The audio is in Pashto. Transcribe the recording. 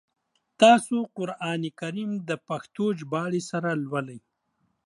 تاسو قرآن کریم د پښتو ژباړي سره لولی ؟